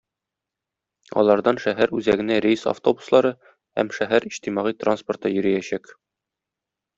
Алардан шәһәр үзәгенә рейс автобуслары һәм шәһәр иҗтимагый транспорты йөриячәк.